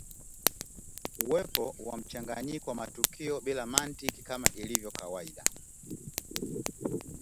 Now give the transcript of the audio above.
Uwepo wa mchanganyiko wa matukio bila mantiki kama ilivyo kawaida